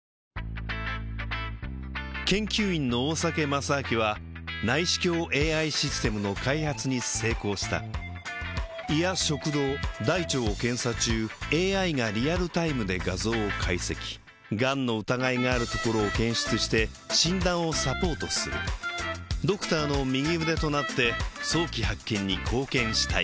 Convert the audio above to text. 研究員の大酒正明は内視鏡ＡＩシステムの開発に成功した胃や食道大腸を検査中ＡＩがリアルタイムで画像を解析がんの疑いがあるところを検出して診断をサポートするドクターの右腕となって早期発見に貢献したい